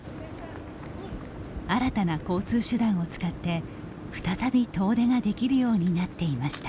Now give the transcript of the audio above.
新たな交通手段を使って再び遠出ができるようになっていました。